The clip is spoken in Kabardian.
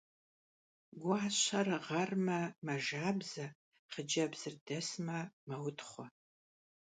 Гуащэр гъэрмэ, мэжабзэ, хъыджэбзыр дэсмэ, мэутхъуэ.